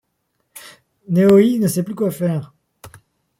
Nenohi ne sait plus quoi faire.